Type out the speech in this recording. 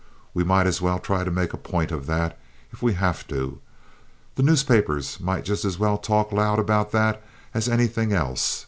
We might as well try to make a point of that, if we have to. The newspapers might just as well talk loud about that as anything else.